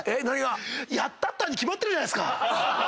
やったった！に決まってるじゃないですか。